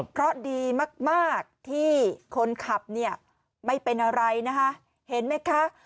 เพราะดีมากที่คนขับเนี่ยไม่เป็นอะไรนะคะเห็นไหมคะ